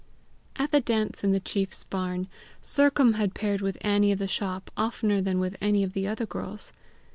At the dance in the chief's barn, Sercombe had paired with Annie of the shop oftener than with any other of the girls.